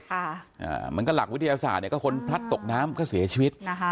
เหมือนกับหลักวิทยาศาสตร์คนพลัดตกน้ำก็เสียชีวิต